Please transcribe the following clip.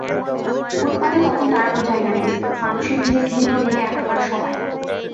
ফুটপাতে তখন দাঁড়ানোর জায়গা নেই, মানুষের ভিড়ে ঘেমে নেয়ে একাকার সবাই।